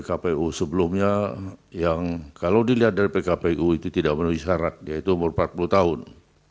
kpu sebelumnya yang kalau dilihat dari pkpu itu tidak menuhi syarat yaitu umur empat puluh tahun